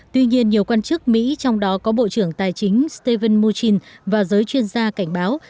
tuy nhiên nhiều quan chức mỹ trong đó có bộ trưởng tài chính stephen murchin và giới chuyên gia cảnh báo